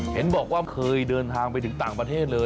เห็นบอกว่าเคยเดินทางไปถึงต่างประเทศเลย